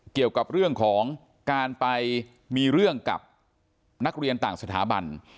เกี่ยวกับเรื่องของการไปมีเรื่องกับนักเรียนต่างสถาบัน